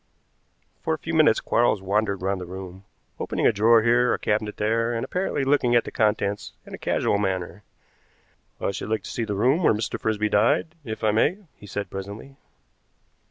For a few minutes Quarles wandered round the room, opening a drawer here, a cabinet there, and apparently looking at the contents in a casual manner. "I should like to see the room where Mr. Frisby died, if I may," he said presently.